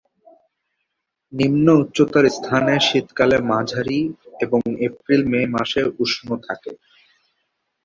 নিম্ন উচ্চতার স্থানে শীতকালে মাঝারি এবং এপ্রিল-মে মাসে উষ্ণ থাকে।